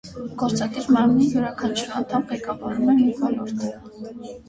Գործադիր մարմնի յուրաքանչյուր անդամ ղեկավարում է մի ոլորտ։